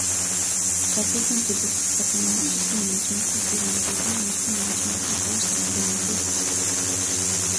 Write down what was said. Стратегийн төлөвлөлт болон өөрчилсөн менежментийн хэв маягууд нь нийтийн менежментийн хоёр салбарын нөлөөг тусгасан.